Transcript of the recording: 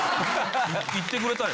「行ってくれた」